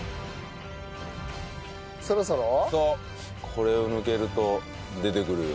これを抜けると出てくるよ。